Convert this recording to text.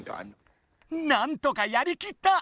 なんとかやりきった！